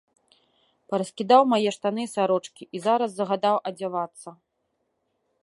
Параскідаў мае штаны і сарочкі і зараз загадаў адзявацца.